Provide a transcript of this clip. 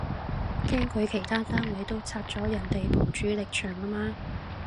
驚佢其他單位都拆咗人哋埲主力牆吖嘛